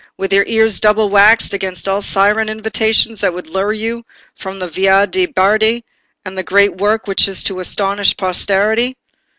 with your ears double waxed against all siren invitations that would lure you from the Via de' Bardi, and the great work which is to astonish posterity?"